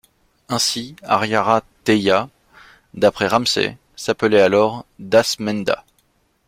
Ainsi, Ariaratheia, d'après Ramsay, s’appelait alors Dasmenda.